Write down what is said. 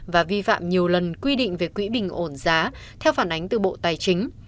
và vi phạm nhiều lần quy định về quỹ bình ổn giá theo phản ánh từ bộ tài chính